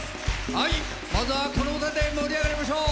はいまずはこの歌で盛り上がりましょう！